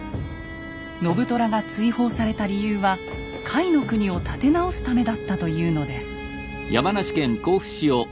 信虎が追放された理由は甲斐国を立て直すためだったというのです。